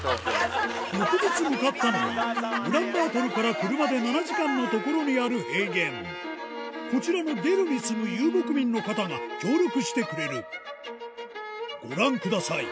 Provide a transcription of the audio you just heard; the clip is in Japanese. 翌日向かったのはウランバートルから車で７時間の所にある平原こちらのゲルに住む遊牧民の方が協力してくれるご覧ください